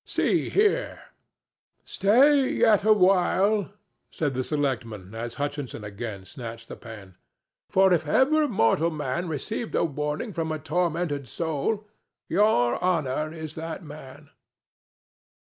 See here!" "Stay yet a while," said the selectman as Hutchinson again snatched the pen; "for if ever mortal man received a warning from a tormented soul, Your Honor is that man."